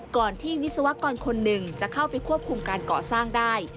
ก่อนที่วิศวกรคนหนึ่งจะเข้าไปควบคุมการก่อสร้างได้